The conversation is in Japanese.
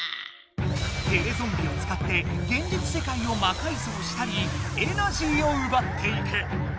テレゾンビをつかって現実世界をまかいぞうしたりエナジーをうばっていく。